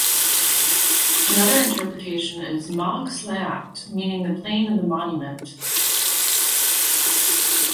Another interpretation is Magh Sleacht meaning the "Plain of the Monument".